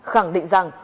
khẳng định rằng